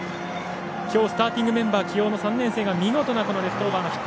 スターティングメンバー起用の３年生が見事なレフトオーバーのヒット。